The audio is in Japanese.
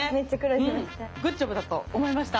グッジョブだと思いました。